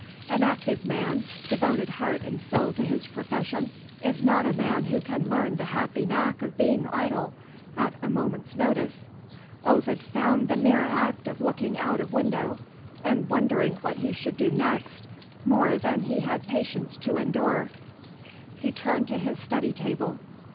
An active man, devoted heart and soul to his profession, is not a man who can learn the happy knack of being idle at a moment's notice. Ovid found the mere act of looking out of window, and wondering what he should do next, more than he had patience to endure. He turned to his study table.